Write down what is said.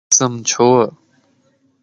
اسم ڇو؟